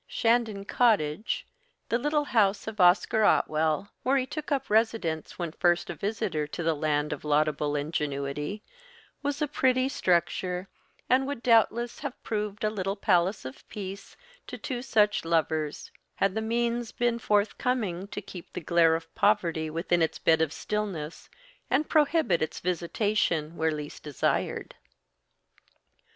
Shandon Cottage, the little house of Oscar Otwell, where he took up residence when first a visitor to the land of laudable ingenuity, was a pretty structure, and would doubtless have proved a little palace of peace to two such lovers had the means been forthcoming to keep the glare of poverty within its bed of stillness, and prohibit its visitation where least desired.